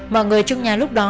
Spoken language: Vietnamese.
mọi người trong nhà lúc đó